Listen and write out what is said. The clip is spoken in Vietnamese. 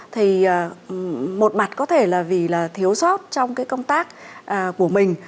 thì một mặt có thể là vì là thiếu sót trong cái công tác của mình